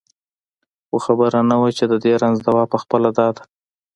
خو خبره نه وه چې د دې رنځ دوا پخپله دا ده.